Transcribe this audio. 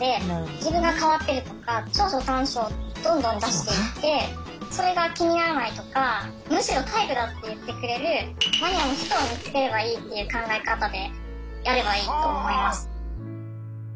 自分が変わってるとか長所短所をどんどん出していってそれが気にならないとかむしろタイプだって言ってくれるマニアの人を見つければいいっていう考え方でやればいいと思います。